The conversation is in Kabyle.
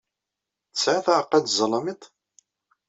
Tesɛiḍ aɛeqqa n zzalamiṭ?